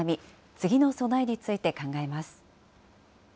次の備えについて考えます。